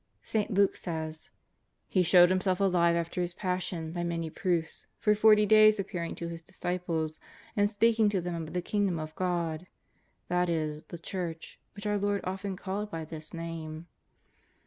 St. Luke says: " He showed Him self alive after His Passion by many proofs, for forty days appearing to His disciples and speaking to them of the Kingdom of God," that is, the Church, which our Lord often called by this name.